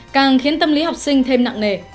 càng khiến tâm lý học sinh thêm nặng nề